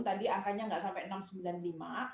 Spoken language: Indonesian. tadi angkanya nggak sampai enam ratus sembilan puluh lima